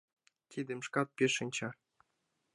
Тидым шкат пеш шинча.